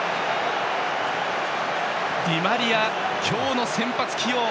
ディマリア、今日の先発起用